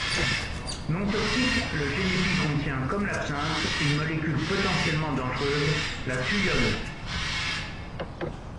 Non toxique, le génépi contient, comme l'absinthe, une molécule potentiellement dangereuse, la thuyone.